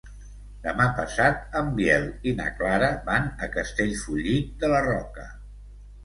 Demà passat en Biel i na Clara van a Castellfollit de la Roca.